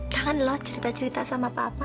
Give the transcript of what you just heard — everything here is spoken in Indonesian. jangan lho cerita cerita sama papa